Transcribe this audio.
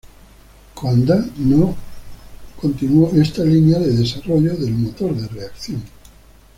Coandă no continuó esta línea de desarrollo del motor de reacción.